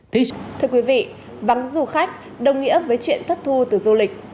thưa quý vị vắng du khách đồng nghĩa với chuyện thất thu từ du lịch